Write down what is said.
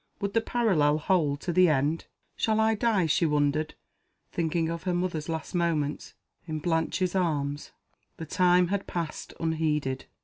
Would the parallel hold to the end? "Shall I die," she wondered, thinking of her mother's last moments, "in Blanche's arms?" The time had passed unheeded.